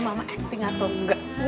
mama acting atau enggak